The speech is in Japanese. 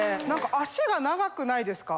脚が長くないですか？